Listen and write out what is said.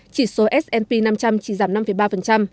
chỉ số s p năm trăm linh chỉ giảm năm ba